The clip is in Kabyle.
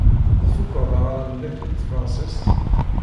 Tfuked aɣanen-nnek n tefṛensist?